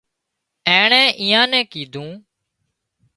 اينڻيئي اين نين ڪيڌُون